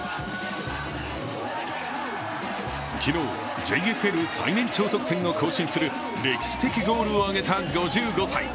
昨日、ＪＦＬ最年長得点を更新する歴史的ゴールを挙げた５５歳。